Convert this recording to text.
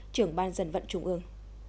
trưởng ban dân vận trung ương